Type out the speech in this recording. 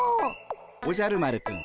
おじゃる丸くん